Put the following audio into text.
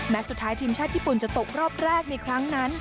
สุดท้ายทีมชาติญี่ปุ่นจะตกรอบแรกในครั้งนั้น